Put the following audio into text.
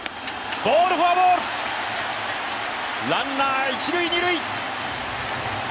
フォアボール、ランナー一・二塁。